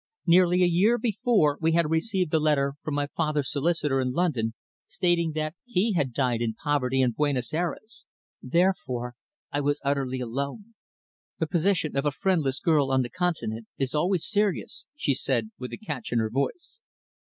Nearly a year before we had received a letter from my father's solicitors in London stating that he had died in poverty in Buenos Aires, therefore I was utterly alone. The position of a friendless girl on the Continent is always serious," she said, with a catch in her voice.